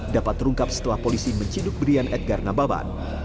dapat terungkap setelah polisi menciduk brian edgar nababan